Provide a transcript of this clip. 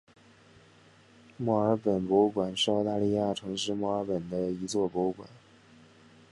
墨尔本博物馆是澳大利亚城市墨尔本的一座博物馆。